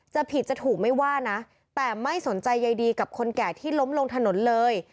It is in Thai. จะผิดจะถูกไม่ว่านะแต่ไม่สนใจใยดีกับคนแก่ที่ล้มลงถนนเลย